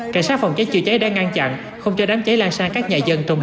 cảnh sát phòng cháy chữa cháy đã ngăn chặn không cho đám cháy lan sang các nhà dân trong